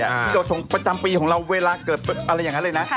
ที่เราชงประจำปีของเราเวลาเกิดอะไรอย่างนั้นเลยนะ